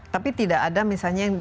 tapi tidak ada misalnya yang